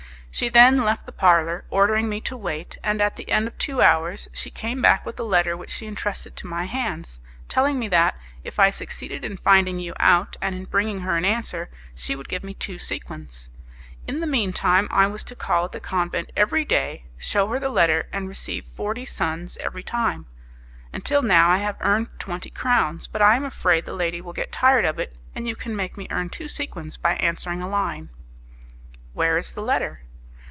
She then left the parlour, ordering me to wait, and at the end of two hours she came back with a letter which she entrusted to my hands, telling me that, if I succeeded in finding you out and in bringing her an answer, she would give me two sequins. In the mean time I was to call at the convent every day, shew her the letter, and receive forty sons every time. Until now I have earned twenty crowns, but I am afraid the lady will get tired of it, and you can make me earn two sequins by answering a line." "Where is the letter?"